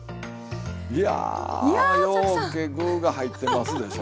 いやようけ具が入ってますでしょ。